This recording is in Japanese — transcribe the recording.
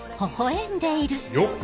よっ！